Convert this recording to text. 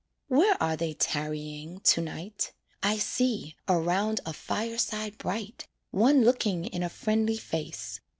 Where are they tarrying to night? I see, around a fireside bright, One looking in a friendly face.